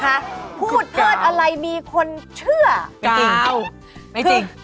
คือเก่าพูดเพศอะไรมีคนเชื่อไม่จริงไม่จริง